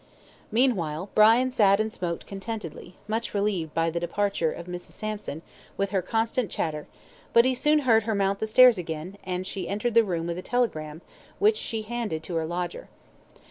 Meanwhile, Brian sat and smoked contentedly, much relieved by the departure of Mrs. Sampson, with her constant chatter, but he soon heard her mount the stairs again, and she entered the room with a telegram, which she handed to her lodger.